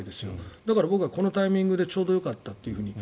だから僕はこのタイミングでちょうどよかったと。